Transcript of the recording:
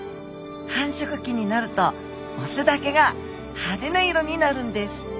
繁殖期になるとオスだけが派手な色になるんです。